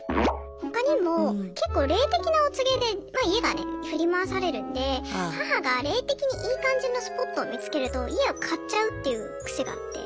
他にもけっこう霊的なお告げで家がね振り回されるんで母が霊的にいい感じのスポットを見つけると家を買っちゃうっていうクセがあって。